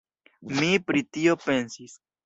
Mi pri tio pensis.